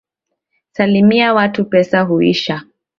Salimia watu pesa huisha.